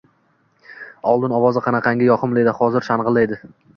Oldin ovozi qanaqangi yoqimliydi, hozir shangʻillaydi